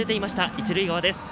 一塁側です。